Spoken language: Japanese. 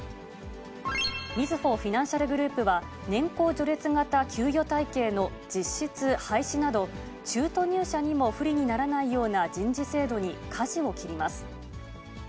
みずほフィナンシャルグループは、年功序列型給与体系の実質廃止など、中途入社にも不利にならないような人事制度にかじを切ります。